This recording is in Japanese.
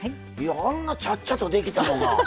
あんなちゃっちゃとできたのが。